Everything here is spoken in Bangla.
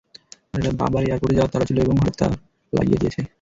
বাবার এয়ারপোর্টে যাওয়ার তাড়া ছিল এবং হঠাৎ তার লাগিয়ে দিয়েছে।